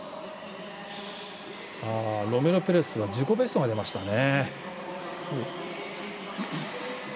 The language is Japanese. ロメロペレスは自己ベストが出ましたね。